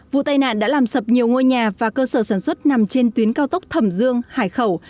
vụ tai nạn đã làm sập nhiều ngôi nhà và cơ sở sản xuất nằm trên tuyến cao tốc thẩm dương hải khẩu